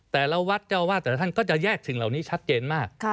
แต่ละวัดเจ้าวาดแต่ละท่านก็จะแยกสิ่งเหล่านี้ชัดเจนมาก